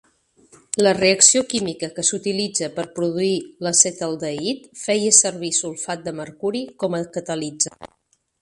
La reacció química que s'utilitza per produir l'acetaldehid feia servir sulfat de mercuri com a catalitzador.